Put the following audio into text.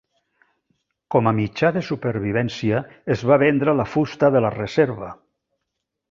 Com a mitjà de supervivència es va vendre la fusta de la reserva.